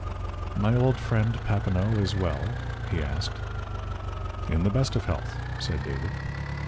"My old friend, Papineau, is well?" he asked. "In the best of health," said David.